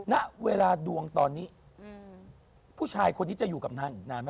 ณเวลาดวงตอนนี้ผู้ชายคนนี้จะอยู่กับนางอีกนานไหม